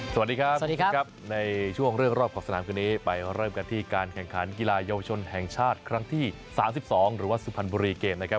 สวัสดีครับสวัสดีครับในช่วงเรื่องรอบขอบสนามคืนนี้ไปเริ่มกันที่การแข่งขันกีฬาเยาวชนแห่งชาติครั้งที่๓๒หรือว่าสุพรรณบุรีเกมนะครับ